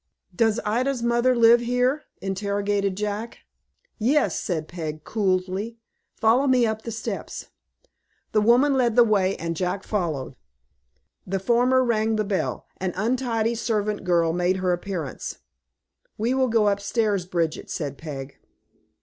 "Does Ida's mother live here?" interrogated Jack. "Yes," said Peg, coolly. "Follow me up the steps." The woman led the way, and Jack followed. The former rang the bell. An untidy servant girl made her appearance. "We will go up stairs, Bridget," said Peg.